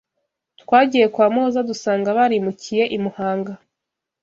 Twagiye kwa MUHOZA dusanga barimukiye i muhanga